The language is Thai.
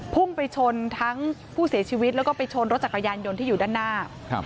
พุ่งไปชนทั้งผู้เสียชีวิตแล้วก็ไปชนรถจักรยานยนต์ที่อยู่ด้านหน้าครับ